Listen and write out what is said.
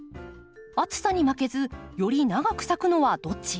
暑さに負けずより長く咲くのはどっち？